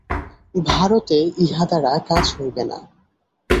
ভারতে ইহা দ্বারা কাজ হইবে না।